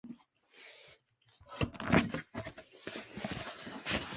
北海道真狩村